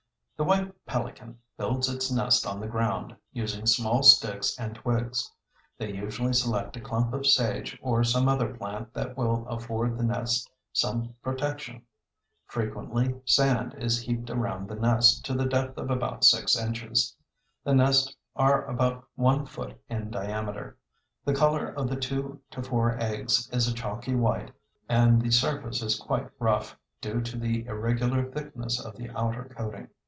The White Pelican builds its nest on the ground using small sticks and twigs. They usually select a clump of sage or some other plant that will afford the nest some protection. Frequently sand is heaped around the nest to the depth of about six inches. The nests are about one foot in diameter. The color of the two to four eggs is a chalky white and the surface is quite rough, due to the irregular thickness of the outer coating.